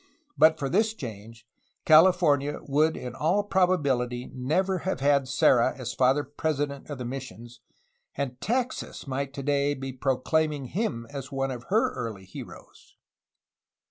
But for this change, California would in all probabiUty never have had Serra as Father President of the missions, and Texas might today be pro claiming him as one of her early heroes.